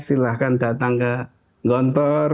silahkan datang ke gontor